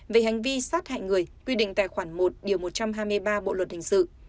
về hành vi sát hại người quy định tài khoản một điều một trăm hai mươi ba bộ luật hình sự